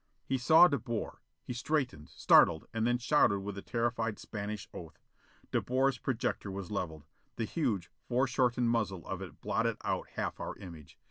He saw De Boer. He straightened, startled, and then shouted with a terrified Spanish oath. De Boer's projector was levelled: the huge, foreshortened muzzle of it blotted out half our image.